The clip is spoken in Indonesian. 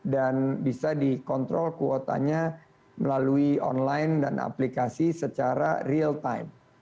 dan bisa dikontrol kuotanya melalui online dan aplikasi secara real time